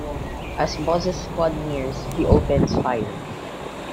As Bozz's squad nears, he opens fire.